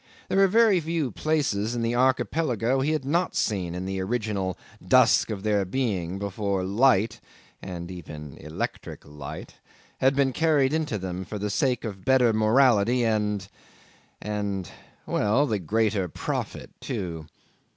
There were very few places in the Archipelago he had not seen in the original dusk of their being, before light (and even electric light) had been carried into them for the sake of better morality and and well the greater profit, too.